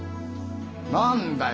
何だよ！